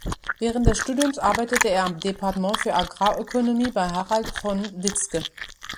Während des Studiums arbeitete er am Department für Agrarökonomie bei Harald von Witzke.